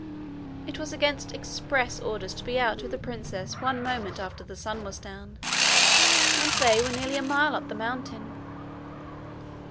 It was against express orders to be out with the princess one moment after the sun was down; and they were nearly a mile up the mountain!